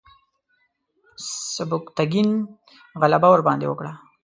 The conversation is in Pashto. سبکتګین غلبه ورباندې وکړه.